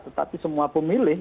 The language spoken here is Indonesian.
tetapi semua pemilih